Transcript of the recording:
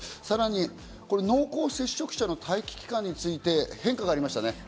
さらに濃厚接触者の待機期間について変化がありましたね。